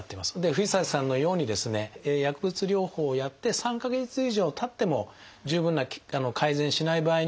藤崎さんのようにですね薬物療法をやって３か月以上たっても十分な改善しない場合にはですね